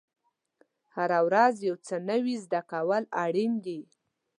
هره ورځ یو څه نوی زده کول اړین دي.